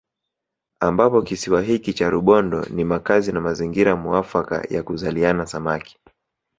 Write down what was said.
Ambapo kisiwa hiki cha Rubondo ni makazi na mazingira muafaka ya kuzaliana Samaki